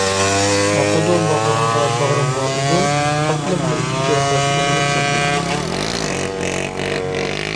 ئاقىدۇ باغرىڭغا، باغرىمغا ئۇدۇل، تاتلىق بىر ئېچىرقاش تۇغۇلۇپ سەندەك.